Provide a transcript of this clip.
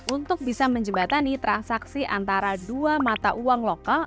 untuk bisa menjebatani transaksi antara dua mata uang lokal